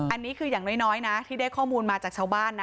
อันนี้คืออย่างน้อยนะที่ได้ข้อมูลมาจากชาวบ้านนะ